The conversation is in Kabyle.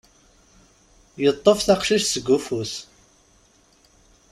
Yeṭṭef taqcict seg ufus.